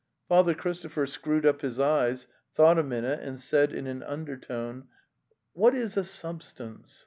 Father Christopher screwed up his eyes, thought a minute and said in an undertone: "What is a substance?